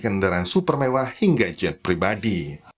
kendaraan super mewah hingga jet pribadi